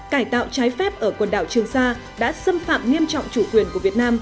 cải tạo trái phép ở quần đảo trường sa đã xâm phạm nghiêm trọng chủ quyền của việt nam